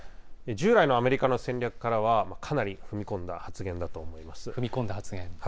従来のアメリカの戦略からは、かなり踏み込んだ発言だと思いま踏み込んだ発言？